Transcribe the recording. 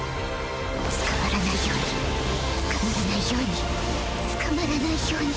捕まらないように捕まらないように捕まらないように